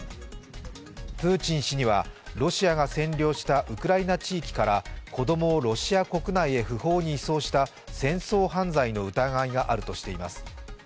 プーチン氏にはロシアが占領したウクライナ地域から子供をロシア国内へ不法に移送した戦争犯罪の疑いがあるとしています。